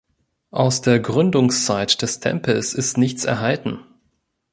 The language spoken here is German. Aus der Gründungszeit des Tempels ist nichts erhalten.